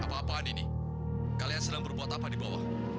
apa apaan ini kalian sedang berbuat apa di bawah